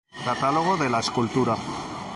Catálogo de la Escultura".